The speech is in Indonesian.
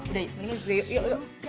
udah ya mendingan ikut gue yuk yuk yuk